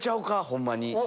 ホンマに。